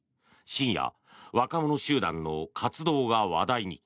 深夜、若者集団の活動が話題に。